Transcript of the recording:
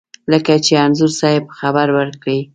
لکه چې انځور صاحب خبر ورکړی و.